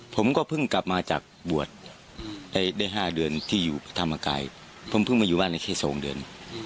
ผมก็เพิ่งกลับมาจากบวชได้๕เดือนที่อยู่ธรรมกายเพิ่งมาอยู่บ้านได้แค่๒เดือน